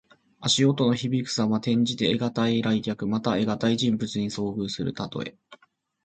足音のひびくさま。転じて、得難い来客。また、得難い人物に遭遇するたとえ。